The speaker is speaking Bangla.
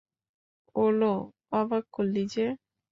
ওলো, অবাক করলি যে!